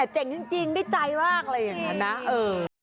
เจ๋งจริงดีใจมากเลย